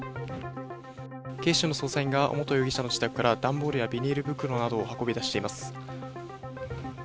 警視庁の捜査員が、尾本容疑者の自宅から、段ボールやビニール袋などを運び出しています。